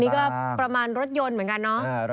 นี่ก็ประมาณรถยนต์เหมือนกันเนาะ